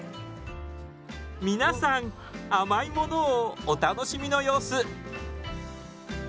皆さん甘いものをお楽しみの様子。